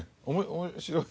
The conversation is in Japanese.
面白い。